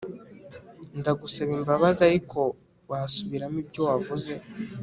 Ndagusaba imbabazi ariko wasubiramo ibyo wavuze